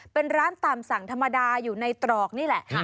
เป็นร้านตามสั่งธรรมดาอยู่ในตรอกนี่แหละ